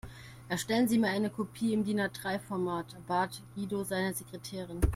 Erstellen Sie mir eine Kopie im DIN-A-drei Format, bat Guido seine Sekretärin.